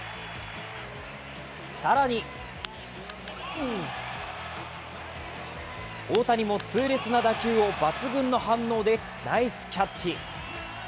更に大谷も痛烈な打球を抜群の反応でナイスキャッチ。